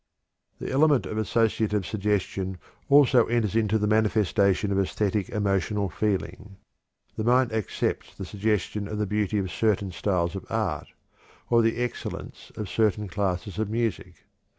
The element of associative suggestion also enters into the manifestation of æsthetic emotional feeling. The mind accepts the suggestion of the beauty of certain styles of art, or the excellence of certain classes of music.